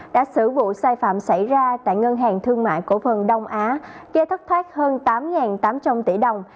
đã xử vụ sai phạm xảy ra tại ngân hàng thương mại cổ phần đông á gây thất thoát hơn tám tám trăm linh tỷ đồng